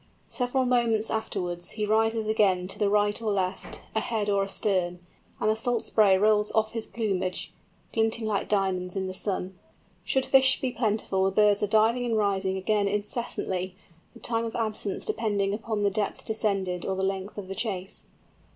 Several moments afterwards he rises again to the right or left, ahead or astern, and the salt spray rolls off his plumage glinting like diamonds in the sun. Should fish be plentiful the birds are diving and rising again incessantly, the time of absence depending upon the depth descended or the length of the chase.